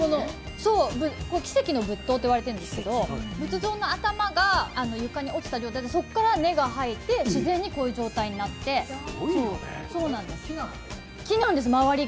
奇跡の仏頭と言われているんですけど、仏像の頭が床に落ちた状態で、そこから根が生えて自然にこういう状態になって、周りが木なんです